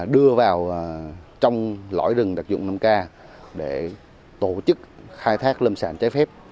đưa vào trong lõi rừng đặc dụng nam ca để tổ chức khai thác lâm sản trái phép